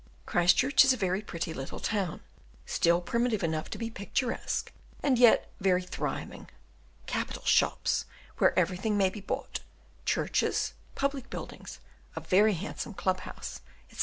Christchurch is a very pretty little town, still primitive enough to be picturesque, and yet very thriving: capital shops, where everything may be bought; churches, public buildings, a very handsome club house, etc.